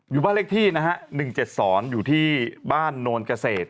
อยู่บ้านเลขที่นะฮะ๑๗๒อยู่ที่บ้านโนนเกษตร